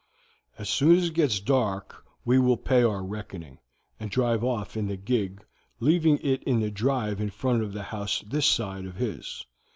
As soon as it gets dark we will pay our reckoning, and drive off in the gig, leaving it in the drive in front of the house this side of his.